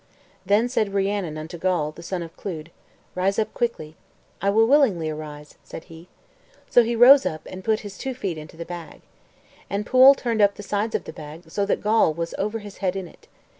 '" Then said Rhiannon unto Gawl, the son of Clud, "Rise up quickly." "I will willingly arise," said he. So he rose up, and put his two feet into the bag. And Pwyll turned up the sides of the bag, so that Gawl was over his head in it.